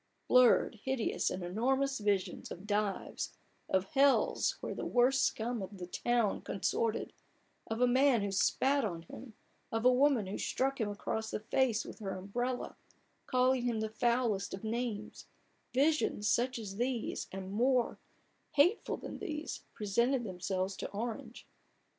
Blurred, hideous, and enormous visions of dives, of hells where the worst scum of the town consorted, of a man who spat on him, of a woman who struck him across the face with her umbrella, calling him the foulest of names — visions such as these, and more hateful than these, presented themselves to Orange, THE BARGAIN OF RUPERT ORANGE.